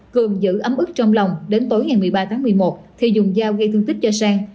cường giữ ấm ức trong lòng đến tối ngày một mươi ba tháng một mươi một thì dùng dao gây thương tích cho sang